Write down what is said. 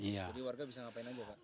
jadi warga bisa ngapain aja pak